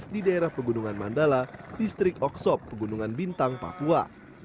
di daerah pegunungan mandala distrik oksop pegunungan bintang papua